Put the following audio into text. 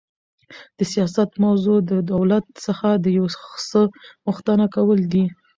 د سیاست موضوع د دولت څخه د یو څه غوښتنه کول دي.